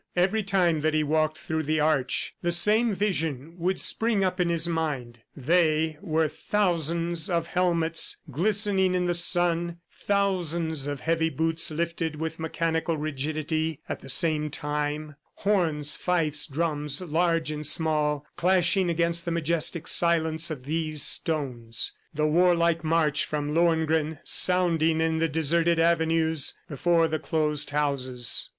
Every time that he walked through the Arch, the same vision would spring up in his mind. THEY were thousands of helmets glistening in the sun, thousands of heavy boots lifted with mechanical rigidity at the same time; horns, fifes, drums large and small, clashing against the majestic silence of these stones the warlike march from Lohengrin sounding in the deserted avenues before the closed houses.